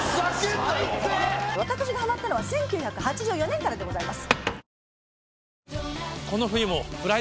私がハマったのは１９８４年からでございます